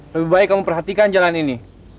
lebih baik kamu perhatikan jalan ini